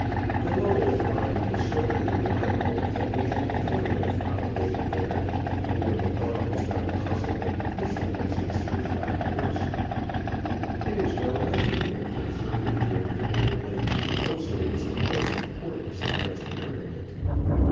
The Lowell line was so unreliable that we had a telegraph operator there, and when the talk was not possible, he pushed the message through by Morse. It is no wonder that the absurdity of the old lady's proposal was the cause of poorly suppressed merriment.